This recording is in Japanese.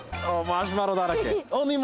マシュマロだらけ。